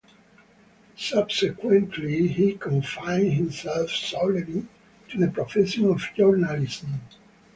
Subsequently he confined himself solely to the profession of journalism.